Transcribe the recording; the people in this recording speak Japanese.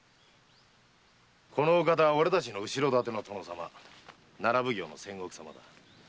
このお方は俺達の後ろ盾の殿様奈良奉行の仙石様だ。